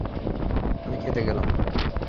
আমি খেতে গেলাম।